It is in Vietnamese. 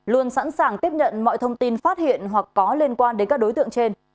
luôn sẵn sàng tiếp nhận mọi thông tin phát hiện hoặc có liên quan đến các đối tượng trên